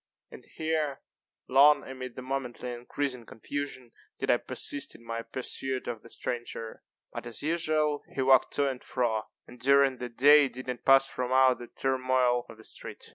And here, long, amid the momently increasing confusion, did I persist in my pursuit of the stranger. But, as usual, he walked to and fro, and during the day did not pass from out the turmoil of that street.